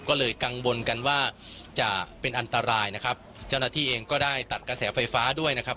ก็เลยกังวลกันว่าจะเป็นอันตรายนะครับเจ้าหน้าที่เองก็ได้ตัดกระแสไฟฟ้าด้วยนะครับ